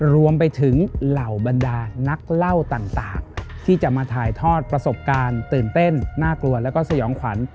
รวมไปถึงเหล่าบรรดานักเล่าต่างที่จะมาถ่ายทอดประสบการณ์ตื่นเต้นน่ากลัวแล้วก็สยองขวัญ